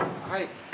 はい。